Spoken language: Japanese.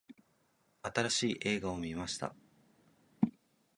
新しい映画を観ました。